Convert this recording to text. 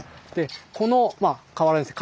この河原ですね